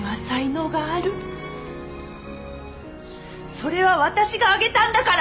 それは私があげたんだから。